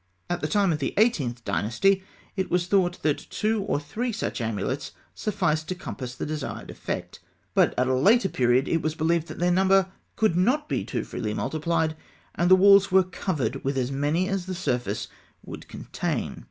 At the time of the Eighteenth Dynasty, it was thought that two or three such amulets sufficed to compass the desired effect; but at a later period it was believed that their number could not be too freely multiplied, and the walls were covered with as many as the surface would contain.